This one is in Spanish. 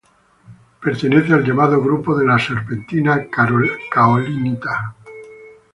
Pertenece al llamado grupo de la serpentina-caolinita.